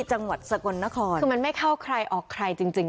จังหวัดสกลนครคือมันไม่เข้าใครออกใครจริงจริง